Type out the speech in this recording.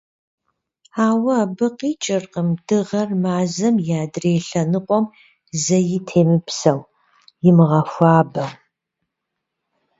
Ауэ абы къикӏыркъым Дыгъэр Мазэм и адрей лъэныкъуэм зэи темыпсэу, имыгъэхуабэу.